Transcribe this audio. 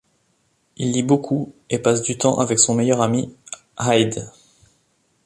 Il lit beaucoup et passe du temps avec son meilleur ami, Hide.